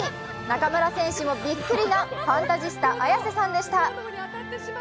中村選手もびっくりなファンタジスタ綾瀬さんでした。